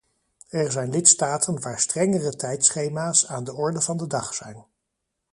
Er zijn lidstaten waar strengere tijdschema's aan de orde van de dag zijn.